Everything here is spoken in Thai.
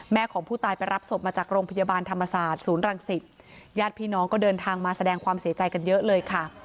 ของผู้ตายไปรับศพมาจากโรงพยาบาลธรรมศาสตร์ศูนย์รังสิตญาติพี่น้องก็เดินทางมาแสดงความเสียใจกันเยอะเลยค่ะ